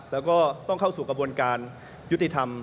แล้วก็ต้องเข้าสู่กระบวนการยุติธรรม